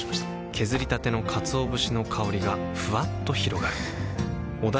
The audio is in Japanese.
削りたてのかつお節の香りがふわっと広がるはぁ。